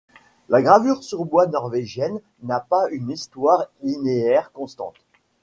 La gravure sur bois norvégienne n’a pas une histoire linéaire constante.